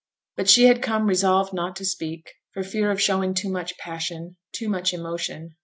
But she had come resolved not to speak, for fear of showing too much passion, too much emotion.